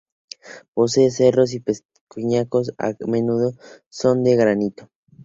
Posee cerros y peñascos que a menudo son de granito.